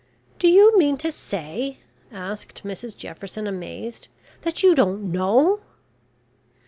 "Do you mean to say?" asked Mrs Jefferson, amazed, "that you don't know?"